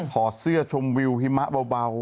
ขอเสื้อชมวิวหิมะเบา